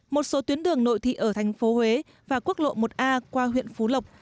một số tuyến đường nội thị ở thành phố huế và quốc lộ một a qua huyện phú lộc